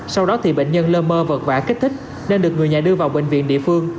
sau đó bệnh nhân lơ mơ vật vả kích thích nên được người nhà đưa vào bệnh viện địa phương